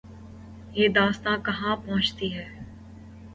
یہ داستان کہاں پہنچتی ہے۔